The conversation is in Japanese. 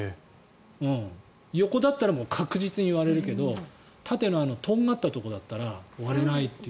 横だったら確実に割れるけど縦のとんがったところだったら割れないっていう。